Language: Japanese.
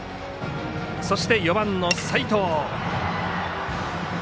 そして、４番の齋藤。